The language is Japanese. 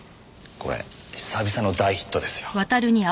これ久々の大ヒットですよ。